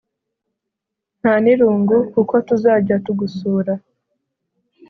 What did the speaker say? nta n’irungu kuko tuzajya tugusura.